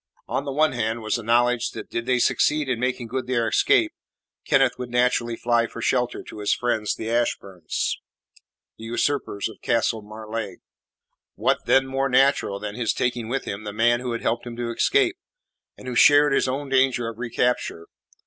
On the one hand was the knowledge that did they succeed in making good their escape, Kenneth would naturally fly for shelter to his friends the Ashburns the usurpers of Castle Marleigh. What then more natural than his taking with him the man who had helped him to escape, and who shared his own danger of recapture?